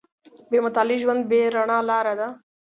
• بې مطالعې ژوند، بې رڼا لاره ده.